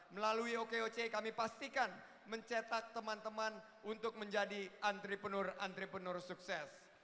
melalui oke oce kami pastikan mencetak teman teman untuk menjadi antrepenur antrepenur sukses